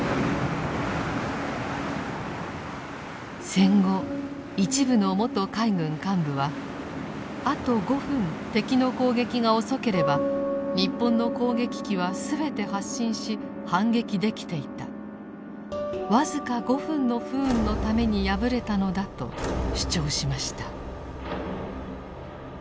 戦後一部の元海軍幹部はあと５分敵の攻撃が遅ければ日本の攻撃機は全て発進し反撃できていたわずか５分の不運のために敗れたのだと主張しました。